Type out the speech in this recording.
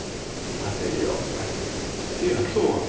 パセリをというのはきょうはね